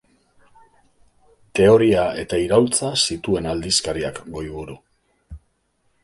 Teoria eta iraultza zituen aldizkariak goiburu.